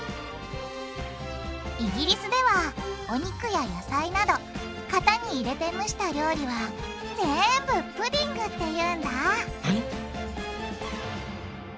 イギリスではお肉や野菜など型に入れて蒸した料理はぜんぶ「プディング」って言うんだ！